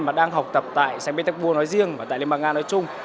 mà đang học tập tại sai petersburg nói riêng và tại liên bang nga nói chung